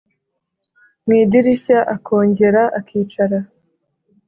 mu idirishya akongera akicara